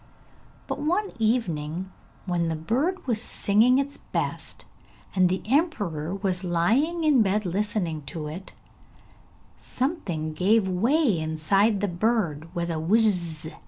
But one evening when the bird was singing its best, and the emperor was lying in bed listening to it, something gave way inside the bird with a 'whizz.'